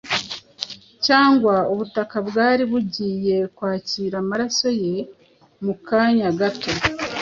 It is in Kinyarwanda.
cyangwa ubutaka bwari bugiye kwakira amaraso ye mu kanya gato